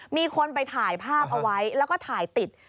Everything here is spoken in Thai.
มีคนไปถ่ายภาพเอาไว้แล้วก็ถ่ายติด